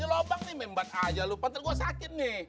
ini lobang nih membat aja lu pantai gue sakit nih